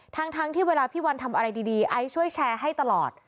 ทั้งที่เวลาพี่วันทำอะไรดีไอซ์ช่วยแชร์ให้ตลอด